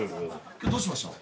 今日どうしました？